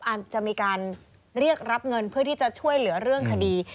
อาจจะมีการเรียกรับเงินเพื่อที่จะช่วยเหลือเรื่องคดี